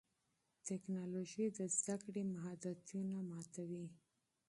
ټیکنالوژي د زده کړې محدودیتونه ماتوي.